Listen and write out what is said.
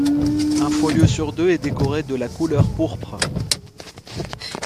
Un folio sur deux est décoré de la couleur pourpre.